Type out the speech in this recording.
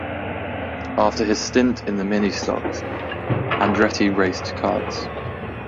After his stint in the Mini Stocks, Andretti raced karts.